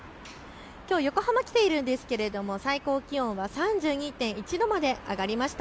きょうは横浜に来ているんですが最高気温は３２．１度まで上がりました。